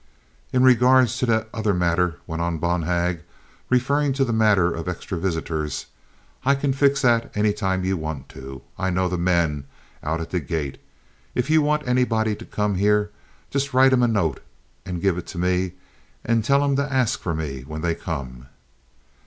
"In regard to that other matter," went on Bonhag, referring to the matter of extra visitors, "I can fix that any time you want to. I know the men out at the gate. If you want anybody to come here, just write 'em a note and give it to me, and tell 'em to ask for me when they come.